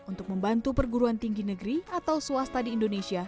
untuk membantu perguruan tinggi negeri atau swasta di indonesia